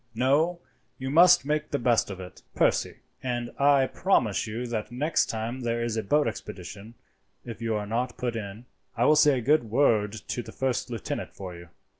No, you must just make the best of it, Percy, and I promise you that next time there is a boat expedition, if you are not put in, I will say a good word to the first lieutenant for you."